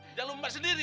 jangan lompat sendiri